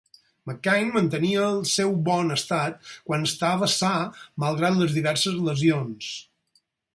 McKain mantenia el seu bon estat quan estava sa malgrat les diverses lesions.